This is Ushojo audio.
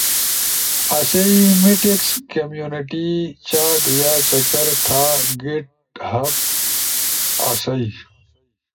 آسئی میٹیکس کمیونٹی چاٹ یا چکر تھا گیٹ ہبا آسئی